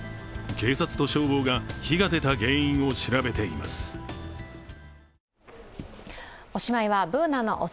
警察と消防が火が出た原因を調べています。